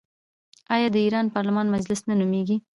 آیا د ایران پارلمان مجلس نه نومیږي؟